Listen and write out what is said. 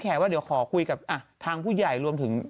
ว่าเดี๋ยวขอคุยกับทางผู้ใหญ่รวมถึง